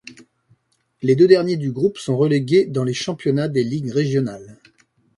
Les deux derniers du groupe sont relégués dans les championnats des Ligues régionales.